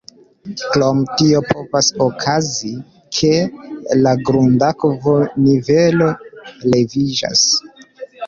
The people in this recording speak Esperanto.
Krom tio povas okazi, ke la grundakvo-nivelo leviĝas.